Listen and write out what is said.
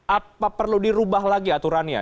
apa perlu dirubah lagi aturannya